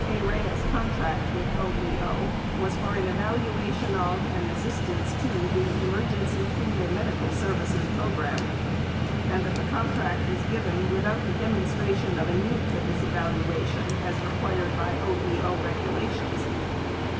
A. Reyes contract with OEO was for an evaluation of and assistance to the emergency food and medical services program and that the contract was given without the demonstration of a need for this evaluation as required by OEO regulations.